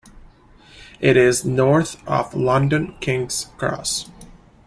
It is north of London King's Cross.